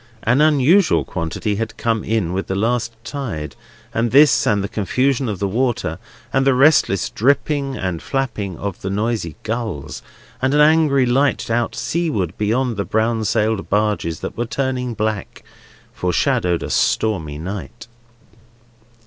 An unusual quantity had come in with the last tide, and this, and the confusion of the water, and the restless dipping and flapping of the noisy gulls, and an angry light out seaward beyond the brown sailed barges that were turning black, foreshadowed a stormy night.